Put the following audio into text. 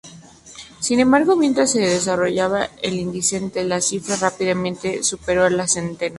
Sin embargo, mientras se desarrollaba el incidente, la cifra rápidamente superó la centena.